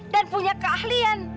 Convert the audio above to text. dan punya keahlian